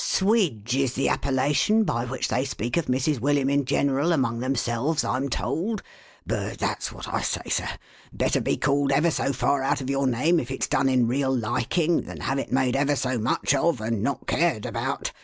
'Swidge' is the appellation by which they speak of Mrs. William in general, among themselves, I'm told ; but that's what I say, sir. Better be called ever so far out of your name, if it's clone in real liking, than have it made ever so much of, and not cared about!